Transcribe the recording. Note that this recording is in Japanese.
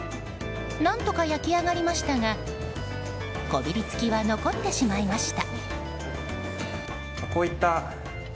何とか焼き上がりましたがこびりつきは残ってしまいました。